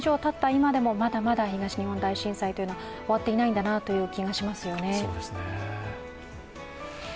今でもまだまだ東日本大震災は終わっていないんだなという気がしますよね。